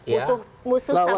musuh musuh sama sama ya